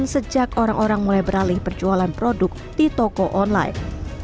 sejak orang orang mulai beralih perjualan produk di toko online